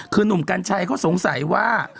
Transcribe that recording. คือหนุ่มกัญชัยเขาสงสัยว่า